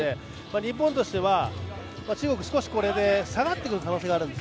日本としては、中国少しこれで下がってくる可能性があるんです。